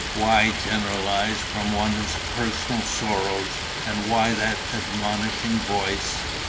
Why generalize from one's personal sorrows and why that admonishing voice?..."